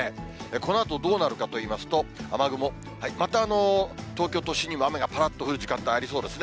このあとどうなるかといいますと、雨雲、また東京都心にも雨ぱらっと降る時間帯ありそうですね。